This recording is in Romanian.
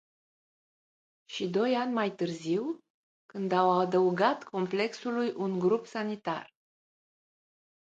Și doi ani mai târziu, când au adăugat complexului un grup sanitar.